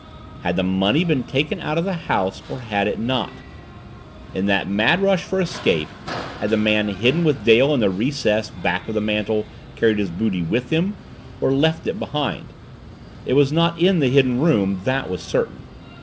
Had the money been taken out of the house or had it not? In that mad rush for escape had the man hidden with Dale in the recess back of the mantel carried his booty with him, or left it behind? It was not in the Hidden Room, that was certain.